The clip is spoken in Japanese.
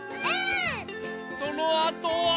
そのあとは。